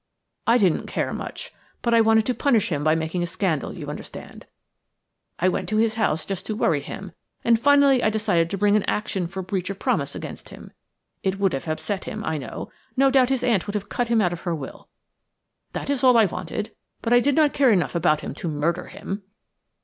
I didn't care much, but I wanted to punish him by making a scandal, you understand. I went to his house just to worry him, and finally I decided to bring an action for breach of promise against him. It would have upset him, I know; no doubt his aunt would have cut him out of her will. That is all I wanted, but I did not care enough about him to murder him."